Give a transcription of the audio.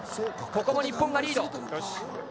ここも日本がリード。